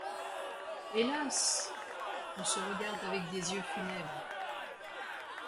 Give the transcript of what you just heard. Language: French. Hélas ! on se regarde avec des yeux, funèbres